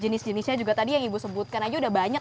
jenis jenisnya juga tadi yang ibu sebutkan aja udah banyak